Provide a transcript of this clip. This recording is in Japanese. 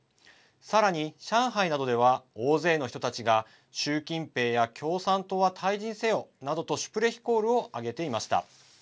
さらに上海などでは大勢の人たちが習近平や共産党は退陣せよなどとシュプレヒコールを上げていました。